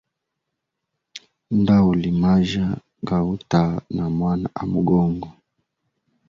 Ndauli majya gauta na mwana amogongo.